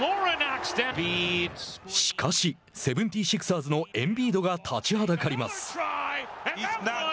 しかしセブンティシクサーズのエンビードが立ちはだかります。